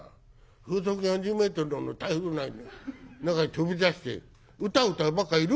風速４０ｍの台風の中へ飛び出して歌歌うバカいる？